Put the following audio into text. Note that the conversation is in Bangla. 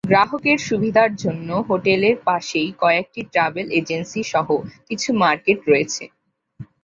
গ্রাহকের সুবিধার জন্য হোটেলের পাশেই কয়েকটি ট্রাভেল এজেন্সি সহ কিছু মার্কেট রয়েছে।